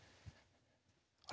あれ？